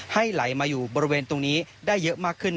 ไหลมาอยู่บริเวณตรงนี้ได้เยอะมากขึ้น